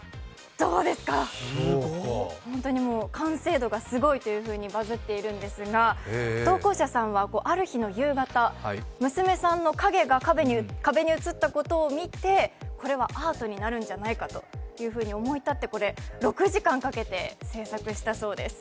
どうですか、完成度がすごいとバズっているんですが投稿者さんは、ある日の夕方娘さんの影が壁に映ったのを見てこれはアートになるんじゃないかと思い立って６時間かけて制作したそうです。